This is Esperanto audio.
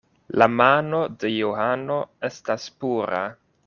La mano de Johano estas pura.